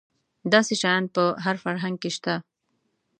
داسې شیان په هر فرهنګ کې شته.